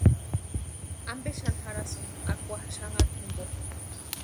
¿Ampe xani jarhasïni akwa xanharu jimpo?